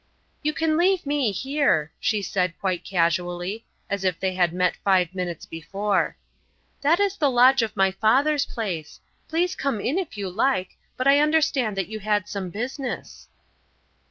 "You can leave me here," she said, quite casually, as if they had met five minutes before. "That is the lodge of my father's place. Please come in, if you like but I understood that you had some business."